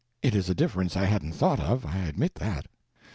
"It is a difference I hadn't thought of; I admit that.